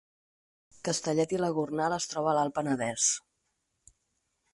Castellet i la Gornal es troba a l’Alt Penedès